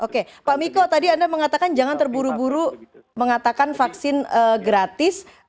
oke pak miko tadi anda mengatakan jangan terburu buru mengatakan vaksin gratis